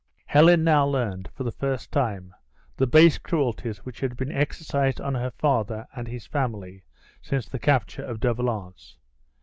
Helen now learned, for the first time, the base cruelties which had been exercised on her father and his family since the capture of De Valence.